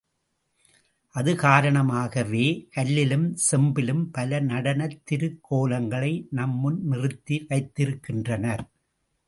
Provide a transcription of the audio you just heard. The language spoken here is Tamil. அது காரணமாகவே கல்லிலும் செம்பிலும் பல நடனத் திருக் கோலங்களை நம் முன் நிறுத்தி வைத்திருக்கின்றனர்.